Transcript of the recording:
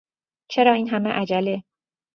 چرا این همه عجله؟